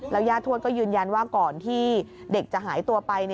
ย่าทวดก็ยืนยันว่าก่อนที่เด็กจะหายตัวไป